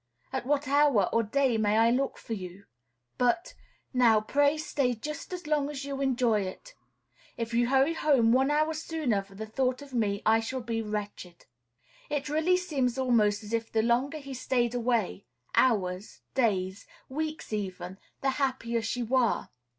At what hour, or day, may I look for you?" but, "Now, pray stay just as long as you enjoy it. If you hurry home one hour sooner for the thought of me, I shall be wretched." It really seems almost as if the longer he stayed away, hours, days, weeks even, the happier she were.